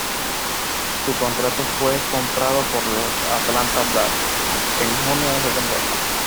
Su contrato fue comprado por los Atlanta Braves en junio de esa temporada.